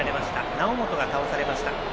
猶本が倒されました。